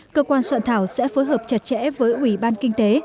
cơ quan soạn thảo sẽ phối hợp chặt chẽ với ủy ban kinh tế